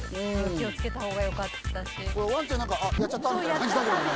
ワンちゃんやっちゃったみたいな感じだけどね。